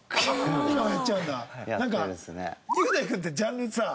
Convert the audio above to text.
雄大君ってジャンルさ